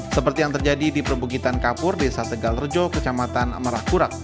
seperti yang terjadi di perbukitan kapur desa tegal rejo kecamatan marahkurak